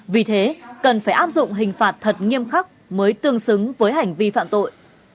vì thế cần phải áp dụng hình phạt thật nghiêm khắc mới tương xứng với hành vi phạm tội